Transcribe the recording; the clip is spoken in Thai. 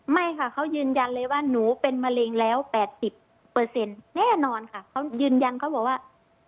ไม่ค่ะเขายืนยันเลยว่าหนูเป็นมะเร็งแล้ว๘๐แน่นอนค่ะเขายืนยันเขาบอกว่า